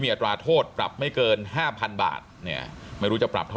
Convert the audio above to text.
อัตราโทษปรับไม่เกิน๕๐๐๐บาทเนี่ยไม่รู้จะปรับเท่า